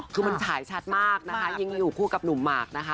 คือมันฉายชัดมากนะคะยิ่งอยู่คู่กับหนุ่มหมากนะคะ